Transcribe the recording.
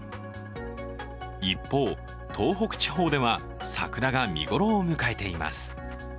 一方、東北地方では桜が見頃を迎えています。